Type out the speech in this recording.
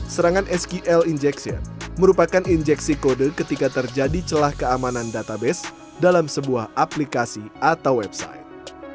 serangan skl injection merupakan injeksi kode ketika terjadi celah keamanan database dalam sebuah aplikasi atau website